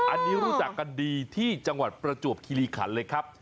อันนี้รู้จักกันดีที่จังหวัดประจวบคิริขันเลยครับ